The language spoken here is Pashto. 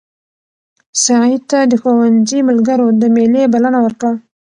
سعید ته د ښوونځي ملګرو د مېلې بلنه ورکړه.